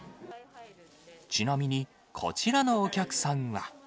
ちなみにこちらのお客さんは。